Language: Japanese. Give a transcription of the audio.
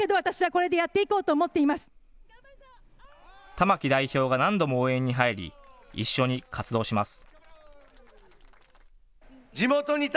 玉木代表が何度も応援に入り一緒に活動します。